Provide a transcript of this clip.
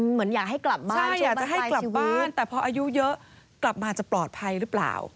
เหมือนอยากให้กลับบ้านใช่อยากจะให้กลับบ้านแต่พออายุเยอะกลับมาจะปลอดภัยหรือเปล่า